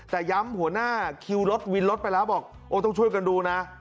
แต่ย้ำหัวหน้าคิวรถวินรถไปแล้วบอกโอ้ต้องช่วยกันดูนะ